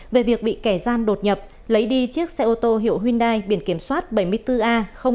về việc bị kẻ gian đột nhập lấy đi chiếc xe ô tô hiệu hyundai biển kiểm soát bảy mươi bốn a một nghìn bảy trăm một mươi sáu